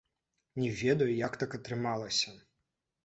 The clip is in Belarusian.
Не ведаю, як так атрымалася.